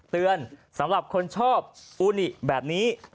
เตือนสำหรับคนชอบอูนิแบบนี้